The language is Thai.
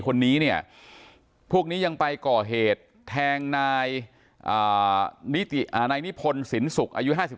คนนี้เนี่ยพวกนี้ยังไปก่อเหตุแทงนายนิพนธ์สินศุกร์อายุ๕๓